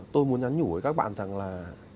tôi muốn nhắn nhủ với các bạn rằng là